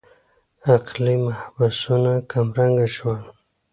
عقلي مبحثونه کمرنګه شول.